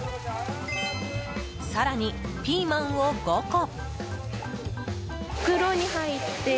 更にピーマンを５個。